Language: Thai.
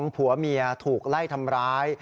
ผัวเมียถูกไล่ทำร้าย